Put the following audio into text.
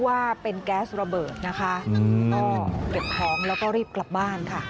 ว่าเป็นแก๊สระเบิดนะคะก็เจ็บท้องแล้วก็รีบกลับบ้านค่ะ